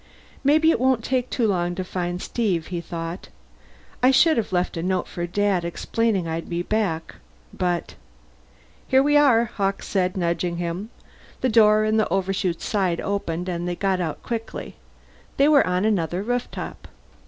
Maybe it won't take too long to find Steve, he thought. I should have left a note for Dad explaining I'd be back. But "Here we are," Hawkes said, nudging him. The door in the Overshoot's side opened and they got out quickly. They were on another rooftop.